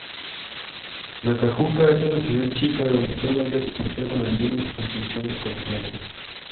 Nacajuca es una ciudad chica, donde todavía se conservan algunas construcciones coloniales.